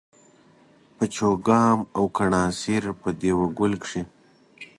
په چوګام او کڼاسېر په دېوه ګل کښي